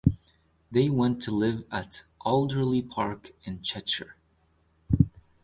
They went to live at Alderley Park in Cheshire.